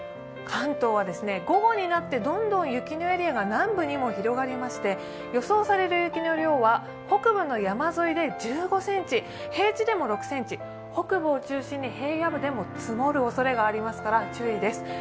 関東は午後になって、どんどん雪のエリアが南部にも広がりまして予想される雪の量は北部の山沿いで１５ｃｍ、平地でも６ｃｍ、北部を中心に平野部でも積もるおそれがありますから注意です。